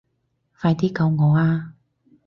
快啲救我啊